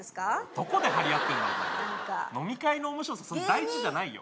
どこで張り合ってんのお前なんか飲み会の面白さそんな大事じゃないよ